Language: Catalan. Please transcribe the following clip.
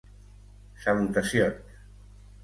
Salutacions!